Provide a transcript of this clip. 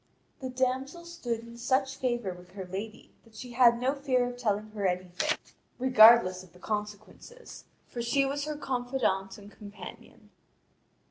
(Vv. 1589 1652.) The damsel stood in such favour with her lady that she had no fear of telling her anything, regardless of the consequences, for she was her confidante and companion.